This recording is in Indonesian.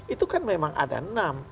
itu kan memang ada enam